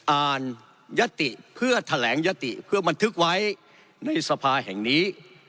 ยัตติเพื่อแถลงยติเพื่อบันทึกไว้ในสภาแห่งนี้